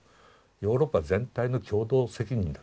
ヨーロッパ全体の共同責任だ。